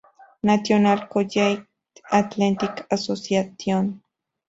National Collegiate Athletic Association.